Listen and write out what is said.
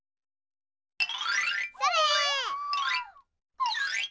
それ！